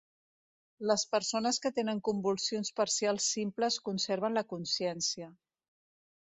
Les persones que tenen convulsions parcials simples conserven la consciència.